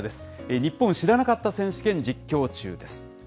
ニッポン知らなかった選手権実況中！です。